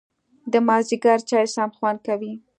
د مازیګر چای سم خوند کوي